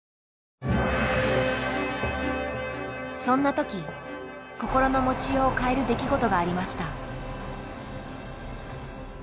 そんな時心の持ちようを変える出来事がありました。